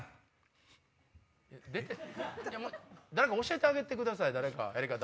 誰か教えてあげてくださいやり方。